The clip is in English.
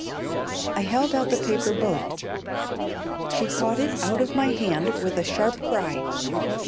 I held out the paper boat. She caught it out of my hand with a sharp cry.